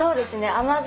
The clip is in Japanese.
甘酢